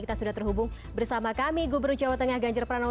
kita sudah terhubung bersama kami gubernur jawa tengah ganjar pranowo